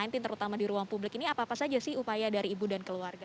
terutama di ruang publik ini apa apa saja sih upaya dari ibu dan keluarga